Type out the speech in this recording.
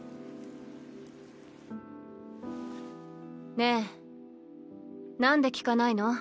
ねえなんで聞かないの？